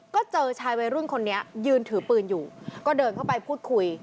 ก็เจอชายวัยรุ่นคนนี้ยืนถือปืนอยู่ก็เดินเข้าไปพูดคุย